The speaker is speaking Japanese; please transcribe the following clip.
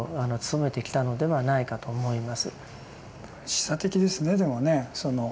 示唆的ですねでもね。